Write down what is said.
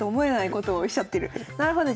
なるほど。